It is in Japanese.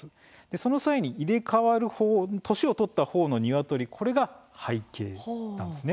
その際に入れ替わる年を取った方のニワトリこちらが廃鶏です。